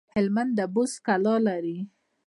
هلمند د بست کلا لري